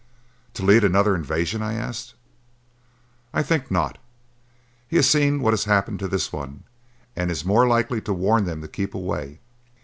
"To lead another invasion?" I asked. "I think not. He has seen what has happened to this one and is more likely to warn them to keep away.